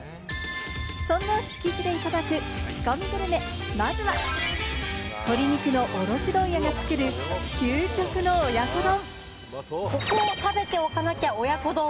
そんな築地でいただく口コミグルメ、まずは鶏肉の卸問屋が作る究極の親子丼。